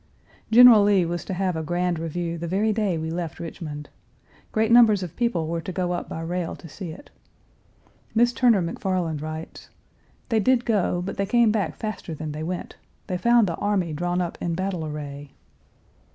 General Lee was to have a grand review the very day we left Richmond. Great numbers of people were to go up by rail to see it. Miss Turner McFarland writes: "They did go, but they came back faster than they went. They found the army drawn up in battle array."